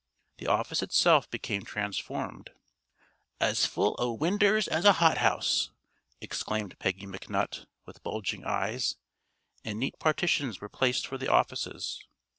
The office itself became transformed "as full o' winders as a hothouse!" exclaimed Peggy McNutt, with bulging eyes and neat partitions were placed for the offices.